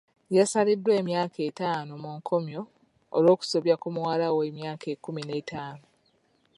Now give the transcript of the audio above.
Yasaliddwa emyaka etaano mu nkomyo olw'okusobya ku muwala w'emyaka ekkumi n'etaano.